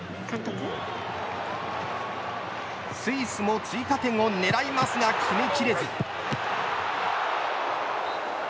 スイスも追加点を狙いますが決めきれず。